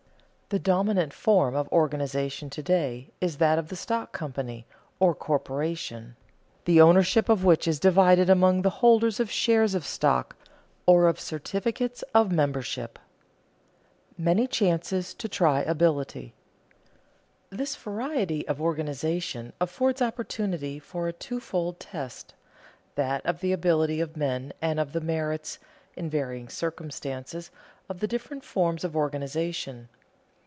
The dominant form of organization to day is that of the stock company, or corporation, the ownership of which is divided among the holders of shares of stock, or of certificates of membership. [Sidenote: Many chances to try ability] This variety of organization affords opportunity for a two fold test: that of the ability of men and of the merits, in varying circumstances, of the different forms of organization.